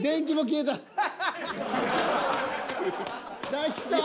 大吉さん。